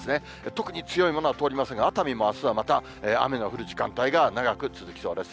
特に強いものは通りませんが、熱海もあすはまた、雨の降る時間帯が長く続きそうです。